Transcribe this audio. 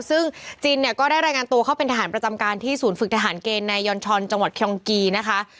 ซึ่งจินเนี่ยก็ได้รายงานตัวเข้าเป็นทหารประจำการที่ศูนย์ฝึกทหารเกณฑ์ในยอนชอนจังหวัดคองกีนะคะ